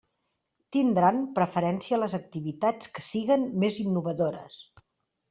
Tindran preferència les activitats que siguen més innovadores.